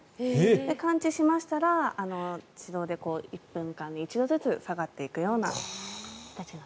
感知しましたら自動で１分間に１度ずつ下がっていくような感じです。